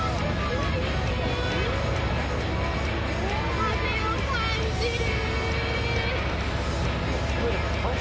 風を感じる。